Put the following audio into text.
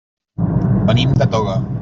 Venim de Toga.